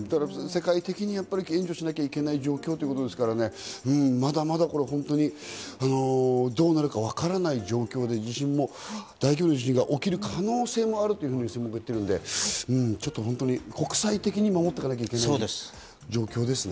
世界的に援助しなきゃいけない状況でまだまだ、どうなるかわからない状況で、大規模な地震が起きる可能性もあると専門家も言っているので、国際的に守っていかなきゃいけない状況ですね。